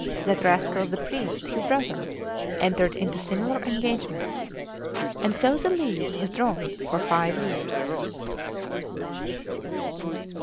That rascal, the priest, his brother, entered into similar engagements; and so the lease was drawn for five years.